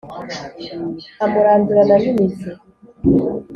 Amurandurana n'imizi.